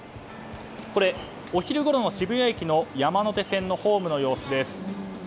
これ、お昼ごろの渋谷駅の山手線のホームの様子です。